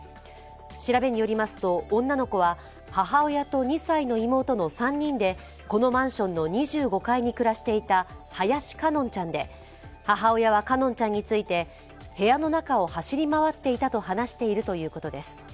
調べによりますと女の子は母親と２歳の妹の３人でこのマンションの２５階に暮らしていた林奏音ちゃんで母親は奏音ちゃんについて、部屋の中を走り回っていたと話しているということです。